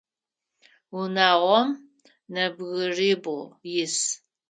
Унагъом нэбгырибгъу ис.